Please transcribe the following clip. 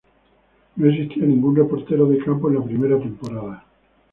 No existía ningún reportero de campo en la primera temporada.